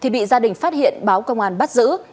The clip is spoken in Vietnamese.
bị gia đình phát hiện báo công an bắt giữ